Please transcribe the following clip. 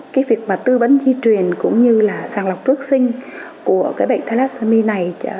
cái việc mà tư vấn di truyền cũng như là sàng lọc trước sinh của cái bệnh thalassomy này